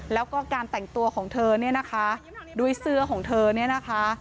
แล้วก็การแต่งตัวของเธอเนี่ยนะคะด้วยเสื้อของเธอเนี่ยนะคะ